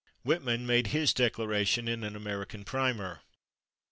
Whitman made his declaration in "An American Primer."